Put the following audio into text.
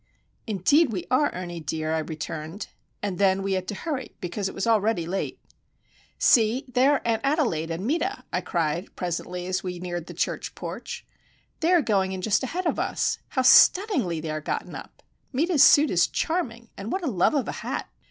"Indeed we are, Ernie dear," I returned. And then we had to hurry, since it was already late. "See, there are Aunt Adelaide and Meta," I cried, presently, as we neared the church porch. "They are going in just ahead of us. How stunningly they are gotten up! Meta's suit is charming, and what a love of a hat!"